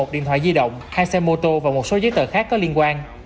một điện thoại di động hai xe mô tô và một số giấy tờ khác có liên quan